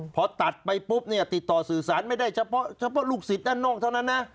พอตัดไปปุ๊บเนี่ยติดต่อสื่อสารไม่ได้เฉพาะเฉพาะลูกศิษย์ด้านนอกเท่านั้นนะ